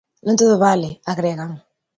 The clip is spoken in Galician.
"Non todo vale", agregan.